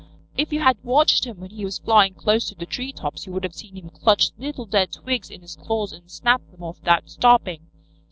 "If you had watched him when he was flying close to the tree tops you would have seen him clutch little dead twigs in his claws and snap them off without stopping.